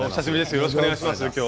よろしくお願いします。